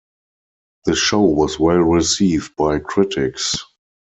The show was well received by critics.